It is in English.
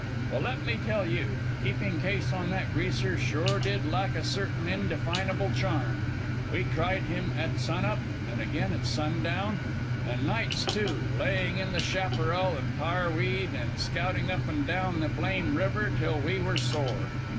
"Well, let me tell you, keeping case on that Greaser sure did lack a certain indefinable charm. We tried him at sun up, an' again at sundown, an' nights, too, laying in the chaparral an' tarweed, an' scouting up an' down that blame river, till we were sore.